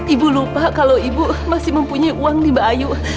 ibu lupa kalau ibu masih mempunyai uang di bayu